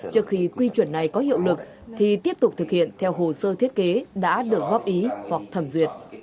trước khi quy chuẩn này có hiệu lực thì tiếp tục thực hiện theo hồ sơ thiết kế đã được góp ý hoặc thẩm duyệt